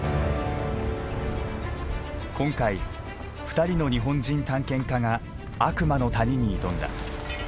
今回２人の日本人探検家が悪魔の谷に挑んだ。